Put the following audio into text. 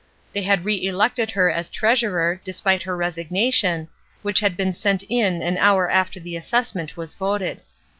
They had reelected her as treasurer, despite her resignation, which had been sent in an hour after the assessment was voted.